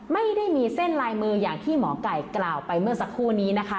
ไม่ได้มีเส้นลายมืออย่างที่หมอไก่กล่าวไปเมื่อสักครู่นี้นะคะ